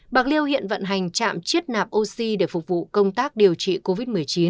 bạc liêu hiện vận hành trạm chiết nạp oxy để phục vụ công tác điều trị covid một mươi chín